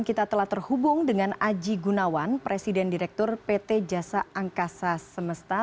kita telah terhubung dengan aji gunawan presiden direktur pt jasa angkasa semesta